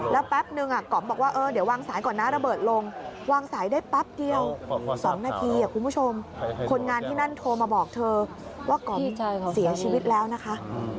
แล้วแป๊บนึงก๋อมบอกว่าเดี๋ยววางสายก่อนนะระเบิดลงวางสายได้แป๊บเดียว๒นาทีคุณผู้ชมคนงานที่นั่นโทรมาบอกเธอว่ากอมเสียชีวิตแล้วนะคะ